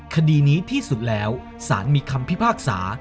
คดีนี้ที่สุดแล้วสารมีคำพิพากษา